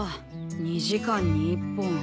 ２時間に１本。